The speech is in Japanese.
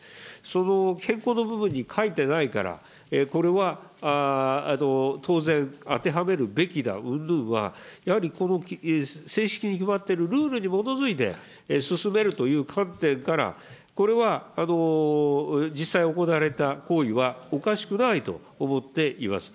その変更の部分に書いてないから、これは当然、当てはめるべきだうんぬんは、やはり正式に決まっているルールに基づいて進めるという観点から、これは、実際、行われた行為はおかしくないと思っています。